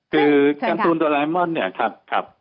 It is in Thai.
คือกันตูนโดราเอมอนเนี่ยครับ